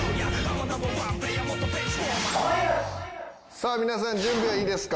さあ皆さん準備はいいですか？